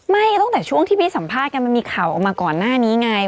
ตั้งแต่ช่วงที่พี่สัมภาษณ์กันมันมีข่าวออกมาก่อนหน้านี้ไง